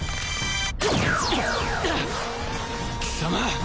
貴様！